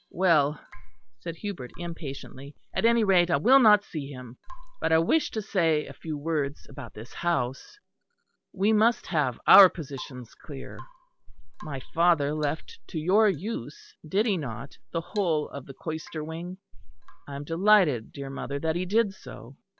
"Well," said Hubert, impatiently, "at any rate I will not see him. But I wish to say a few words about this house. We must have our positions clear. My father left to your use, did he not, the whole of the cloister wing? I am delighted, dear mother, that he did so.